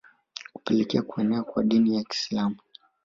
Kupelekea kuenea kwa Dini ya Kiislamu